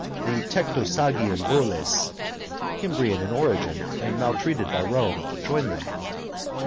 The Tectosagian Voles, Hymrian in origin and maltreated by Rome, joined them.